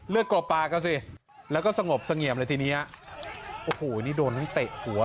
เลือดกลบปาก็สิแล้วก็สงบสง่ำเลยทีนี้โอ้โหอันนี้โดนตั้งแตะหัว